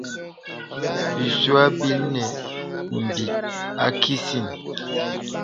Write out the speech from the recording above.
Bìsua bìnə nə̀ m̀bìt a kìsìn.